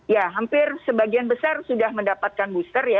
ya hampir sebagian besar sudah mendapatkan booster ya